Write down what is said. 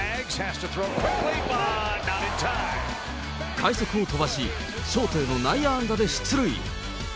快足を飛ばし、ショートへの内野安打で出塁。